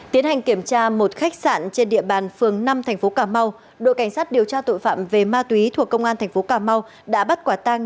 tiến hành kiểm tra một khách sạn trên địa bàn phường năm thành phố cà mau đội cảnh sát điều tra tội phạm về ma túy thuộc công an thành phố cà mau đã bắt quả tang